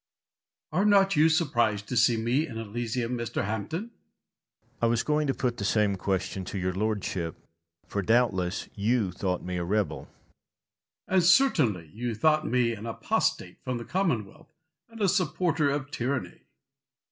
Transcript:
Are not you surprised to see me in Elysium, Mr. Hampden? Mr. Hampden. I was going to put the same question to your lordship, for doubtless you thought me a rebel. Lord Falkland. And certainly you thought me an apostate from the Commonwealth, and a supporter of tyranny.